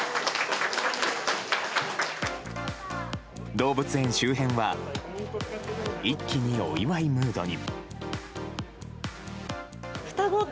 動物園周辺は一気に、お祝いムードに。